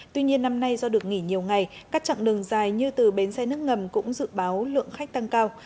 tuy nhiên năm nay do được nghỉ nhiều ngày các chặng đường dài như từ bến xe nước ngầm cũng dự báo lượng khách tăng cao